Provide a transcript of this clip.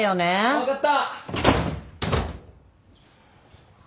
分かった。